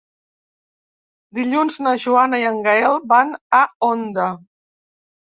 Dilluns na Joana i en Gaël van a Onda.